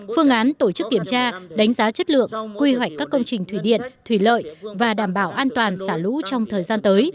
phương án tổ chức kiểm tra đánh giá chất lượng quy hoạch các công trình thủy điện thủy lợi và đảm bảo an toàn xả lũ trong thời gian tới